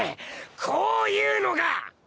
こういうのが！